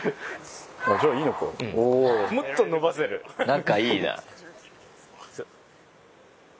仲いいな。